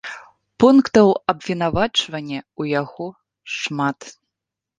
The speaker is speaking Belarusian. Пунктаў абвінавачвання ў яго шмат.